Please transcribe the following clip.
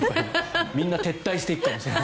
みんな撤退していくかもしれない。